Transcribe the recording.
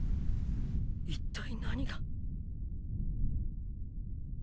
一体何が？